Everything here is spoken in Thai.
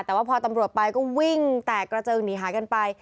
แต่ว่าพอตำรวจไปก็วิ่งแตกกระเจิงหนีหายกันไป